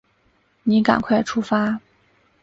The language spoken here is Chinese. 你赶快出发